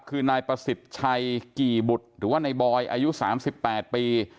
คือนายประสิทธิ์ชัยกี่บุตรหรือว่าในบอยอายุ๓๘ปี